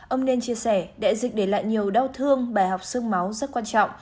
ông nên chia sẻ đại dịch để lại nhiều đau thương bài học sương máu rất quan trọng